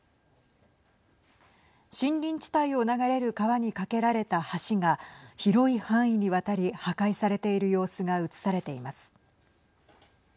森林地帯を流れる川に架けられた橋が広い範囲にわたり破壊されている様子が映されています。